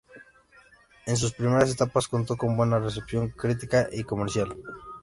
En sus primeras etapas, contó con buena recepción crítica y comercial.